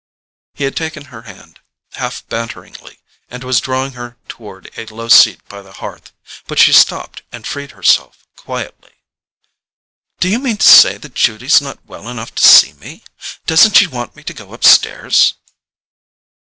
He had taken her hand, half banteringly, and was drawing her toward a low seat by the hearth; but she stopped and freed herself quietly. "Do you mean to say that Judy's not well enough to see me? Doesn't she want me to go upstairs?"